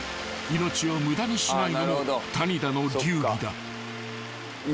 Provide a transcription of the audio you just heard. ［命を無駄にしないのも谷田の流儀だ］